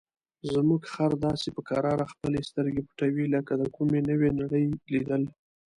زموږ خر داسې په کراره خپلې سترګې پټوي لکه د کومې نوې نړۍ لیدل.